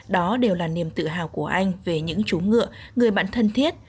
đó đều là niềm tự hào của anh về những chú ngựa người bạn thân thiết